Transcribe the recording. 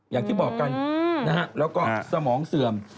อย่างที่บอกกันแล้วก็สมองเสื่อม